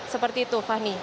seperti itu fahmi